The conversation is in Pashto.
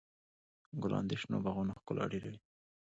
ګلان د شنو باغونو ښکلا ډېروي.